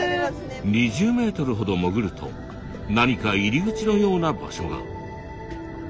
２０ｍほど潜ると何か入り口のような場所が。